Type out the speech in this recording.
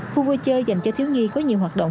khu vui chơi dành cho thiếu nhi có nhiều hoạt động